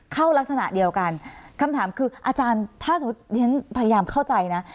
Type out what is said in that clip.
ลักษณะเดียวกันคำถามคืออาจารย์ถ้าสมมุติฉันพยายามเข้าใจนะ